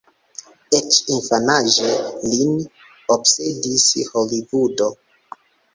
Eĉ infanaĝe lin obsedis Holivudo.